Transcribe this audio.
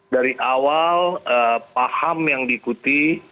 dari awal paham yang diikuti